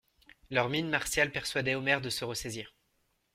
Leur mine martiale persuadait Omer de se ressaisir.